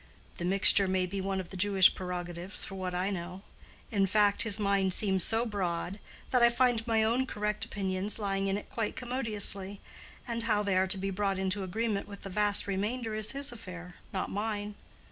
The mixture may be one of the Jewish prerogatives, for what I know. In fact, his mind seems so broad that I find my own correct opinions lying in it quite commodiously, and how they are to be brought into agreement with the vast remainder is his affair, not mine.